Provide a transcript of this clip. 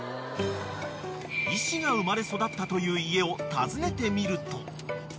［石が生まれ育ったという家を訪ねてみると］